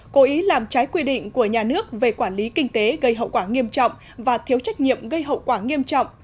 cố ý làm trái quy định của nhà nước về quản lý kinh tế gây hậu quả nghiêm trọng và thiếu trách nhiệm gây hậu quả nghiêm trọng